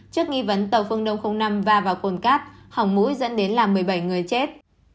trước nghi vấn tàu phương đông năm mươi va vào cồn cắt hỏng mũi dẫn đến một mươi bảy người chết